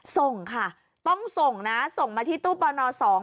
ส่งค่ะต้องส่งนะส่งมาที่ตู้ปนสอง